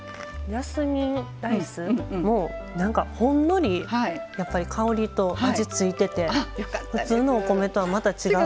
ジャスミンライスもほんのりやっぱり香りと味ついてて普通のお米とはまた違う。